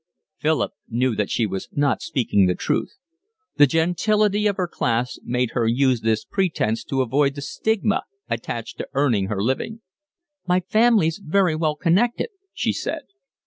Philip knew that she was not speaking the truth. The gentility of her class made her use this pretence to avoid the stigma attached to earning her living. "My family's very well connected," she said.